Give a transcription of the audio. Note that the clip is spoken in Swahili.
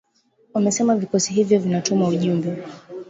Wamesema vikosi hivyo vinatuma ujumbe